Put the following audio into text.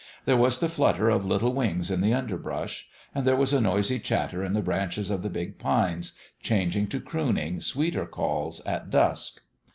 There was the flutter of little wings in the underbrush ; and there was a noisy chatter in the branches of the big pines, changing to crooning, sweeter calls at dusk.